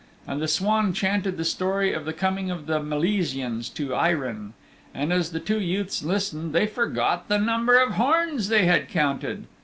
And the swan chanted the story of the coming of the Milesians to Eirinn, and as the two youths listened they forgot the number of horns they had counted.